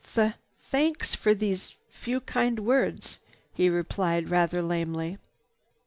"Tha—thanks for these few kind words," he replied rather lamely.